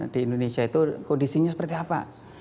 di indonesia itu kondisinya seperti apa